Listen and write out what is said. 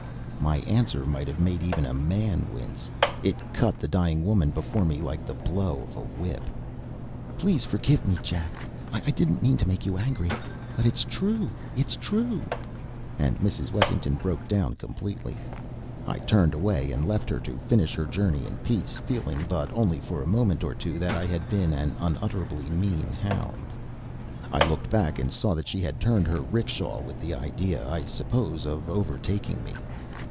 My answer might have made even a man wince. It cut the dying woman before me like the blow of a whip. "Please forgive me, Jack; I didn't mean to make you angry; but it's true, it's true!" And Mrs. Wessington broke down completely. I turned away and left her to finish her journey in peace, feeling, but only for a moment or two, that I had been an unutterably mean hound. I looked back, and saw that she had turned her 'rickshaw with the idea, I suppose, of overtaking me.